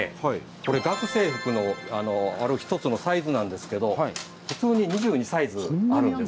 これ学生服のある一つのサイズなんですけど普通に２２サイズあるんです。